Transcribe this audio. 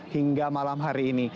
hingga malam hari ini